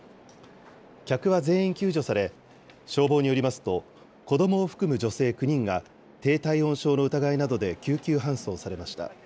客は全員救助され、消防によりますと、子どもを含む女性９人が低体温症の疑いなどで救急搬送されました。